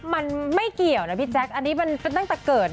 มันไม่เกี่ยวนะพี่แจ๊คอันนี้มันตั้งแต่เกิด